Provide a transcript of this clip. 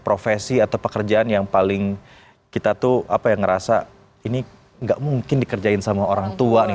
ada sih atau pekerjaan yang paling kita tuh apa yang ngerasa ini nggak mungkin dikerjain sama orang tua nih